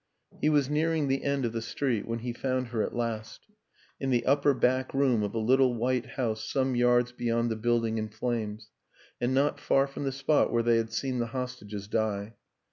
He was nearing the end of the street when he found her at last; in the upper back room of a little white house some yards beyond the building in flames, and not far from the spot where they had seen the hostages die.